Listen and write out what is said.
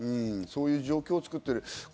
そういう状況を作っている。